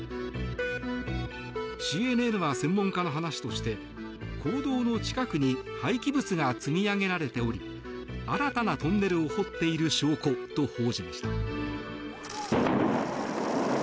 ＣＮＮは専門家の話として坑道の近くに廃棄物が積み上げられており新たなトンネルを掘っている証拠と報じました。